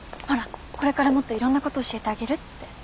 ほらこれからもっといろんなこと教えてあげるって。